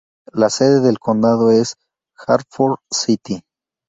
La sede del condado es Hartford City.